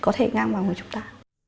có thể ngang vào người chúng ta